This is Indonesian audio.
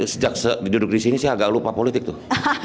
saya sejak duduk disini sih agak lupa politik tuh